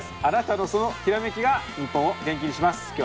あなたのそのヒラメキが日本を元気にします。